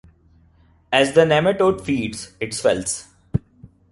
As the nematode feeds, it swells.